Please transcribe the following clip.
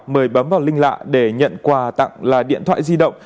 mời bấm vào link lạ để nhận quà tặng là điện thoại di động